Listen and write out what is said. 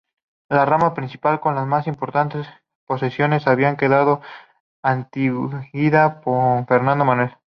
La rama principal con las más importantes posesiones había quedado extinguida con Fernando Manuel.